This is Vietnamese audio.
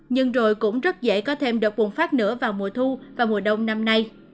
nhưng rồi cũng rất dễ có thêm đợt bùng phát nữa vào mùa thu và mùa đông năm nay